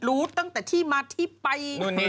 รู้ตั้งแต่ที่มาที่ไป